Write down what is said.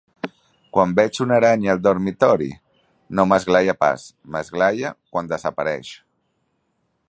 Quan veig una aranya al dormitori, no m'esglaie pas; m'esglaie quan desapareix...